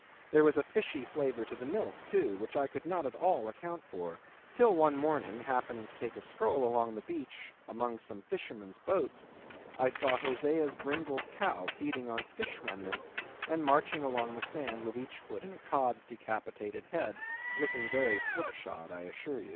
There was a fishy flavor to the milk, too, which I could not at all account for, till one morning happening to take a stroll along the beach among some fishermen's boats, I saw Hosea's brindled cow feeding on fish remnants, and marching along the sand with each foot in a cod's decapitated head, looking very slip shod, I assure ye.